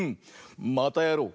またやろう！